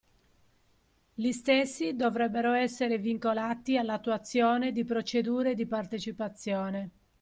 Gli stessi dovrebbero essere vincolati all’attuazione di procedure di partecipazione